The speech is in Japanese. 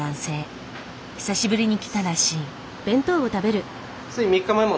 久しぶりに来たらしい。